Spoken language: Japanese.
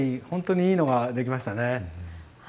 本当にいいのができましたね。